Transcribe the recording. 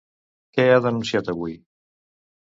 Què ha denunciat avui?